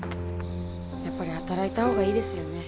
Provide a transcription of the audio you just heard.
やっぱり働いた方がいいですよね。